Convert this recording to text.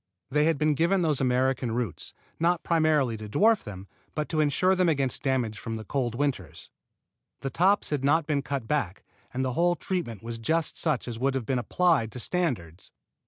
They had been given those Americana roots, not primarily to dwarf them, but to insure them against damage from the cold winters. The tops had not been cut back, and the whole treatment was just such as would have been applied to standards.